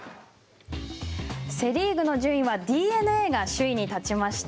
セ・リーグの順位はＤｅＮＡが首位に立ちました。